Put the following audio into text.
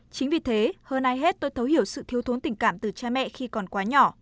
chính vì thế hơn ai hết tôi thấu hiểu sự thiếu thốn tình cảm từ cha mẹ khi còn quá nhỏ